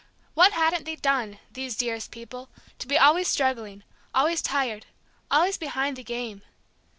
What hadn't they done, these dearest people, to be always struggling, always tired, always "behind the game"?